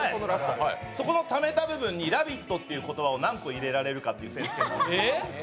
そこのタメた部分に「ラヴィット」という言葉を何個入れられるかという設定で。